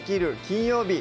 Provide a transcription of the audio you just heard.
金曜日」